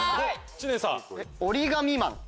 知念さん。